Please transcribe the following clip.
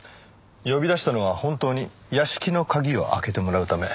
呼び出したのは本当に屋敷の鍵を開けてもらうため。